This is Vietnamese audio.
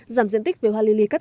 giảm diện tích về hoa li li cắt cắt